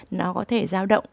nó có thể giao động